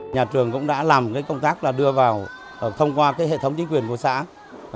nhà trường cũng đã làm công tác là đưa vào thông qua hệ thống chính quyền của xã